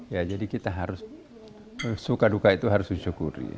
ya jadi kita harus suka duka itu harus disyukuri